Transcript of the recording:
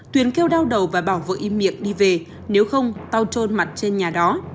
tuyền kêu đau đầu và bảo vợ im miệng đi về nếu không tao trôn mặt trên nhà đó